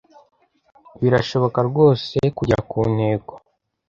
Birashoboka rwose kugera ku ntego